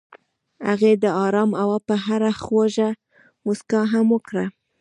هغې د آرام هوا په اړه خوږه موسکا هم وکړه.